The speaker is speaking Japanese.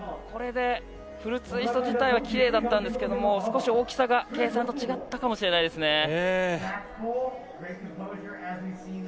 これで、フルツイスト自体はきれいだったんですけども少し大きさが計算と違ったかもしれないですね。